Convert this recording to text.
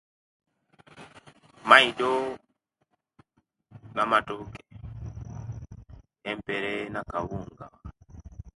Maido na amatoke ne empere na akawunga